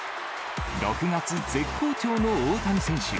６月絶好調の大谷選手。